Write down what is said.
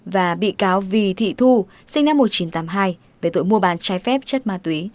và bị cáo vì thị thu sinh năm một nghìn chín trăm tám mươi hai về tội mua bán trái phép chất ma túy